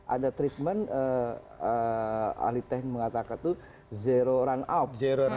ada treatment ahli teknik mengatakan itu zero run up